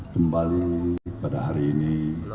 kembali pada hari ini